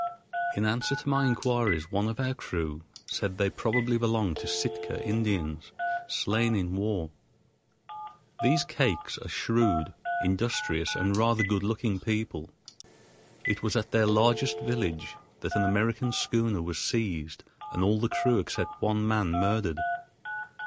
In answer to my inquiries, one of our crew said they probably belonged to Sitka Indians, slain in war. These Kakes are shrewd, industrious, and rather good looking people. It was at their largest village that an American schooner was seized and all the crew except one man murdered.